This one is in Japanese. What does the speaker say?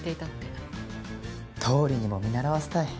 倒理にも見習わせたい。